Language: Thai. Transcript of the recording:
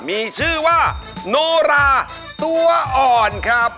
มีชื่อว่าโนราตัวอ่อนครับ